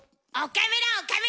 岡村岡村！